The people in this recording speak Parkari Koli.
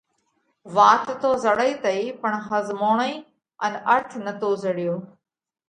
وات تو زڙئِي تئِي پڻ ۿزموڻئِي ان ارٿ نتو زڙيو۔